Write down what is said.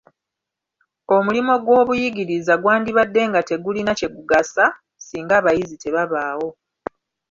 Omulimo gw'obuyigiriza gwandibadde nga tegulina kye gugasa, singa abayizi tebabaawo.